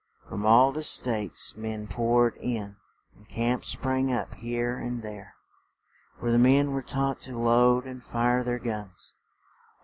From all the states men poured in and camps sprang up here and there, where the men were taught to load and fire their guns.